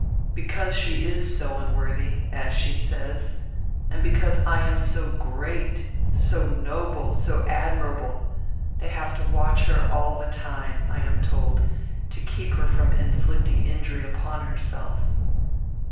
Because she is so unworthy, as she says, and because I am so great, so noble, so admirable, they have to watch her all the time, I am told, to keep her from inflicting injury upon herself.